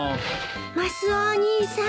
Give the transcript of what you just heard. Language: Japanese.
マスオお兄さん。